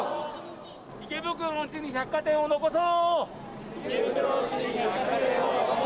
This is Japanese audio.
池袋の地に百貨店を残そう。